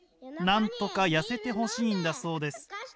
なんとかヤセてほしいんだそうです。